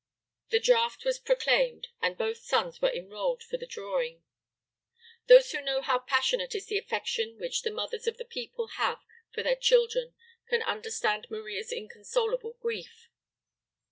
The draft was proclaimed and both sons were enrolled for the drawing. Those who know how passionate is the affection which the mothers of the people have for their children can understand Maria's inconsolable grief.